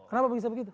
kenapa bisa begitu